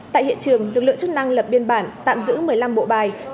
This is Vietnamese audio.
tại hiện trường lực lượng chức năng lập biên bản tạm giữ một mươi năm bộ bài